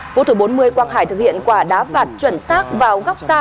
phút thứ bốn mươi quang hải thực hiện quả đá vạt chuẩn xác vào góc xa